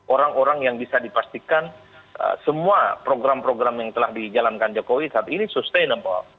orang orang yang bisa dipastikan semua program program yang telah dijalankan jokowi saat ini sustainable